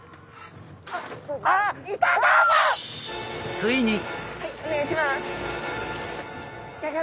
ついに！お願いします。